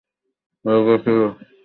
হয়ে গেছে রে!